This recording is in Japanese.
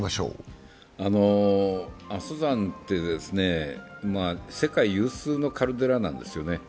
阿蘇山って世界有数のカルデラなんですよね。